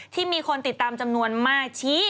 ที่มีคนติดตามจำนวนมากชี้